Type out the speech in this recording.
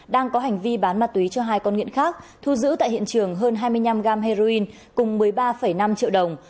đang có hành vi bán ma túy cho hai con nghiện khác thu giữ tại hiện trường hơn hai mươi năm g heroin cùng một mươi ba năm triệu đồng